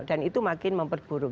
dan itu makin memperburuk